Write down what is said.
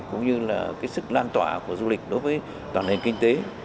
cũng như là sức lan tỏa của du lịch đối với toàn ngành kinh tế